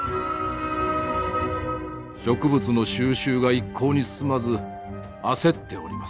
「植物の収集が一向に進まず焦っております」。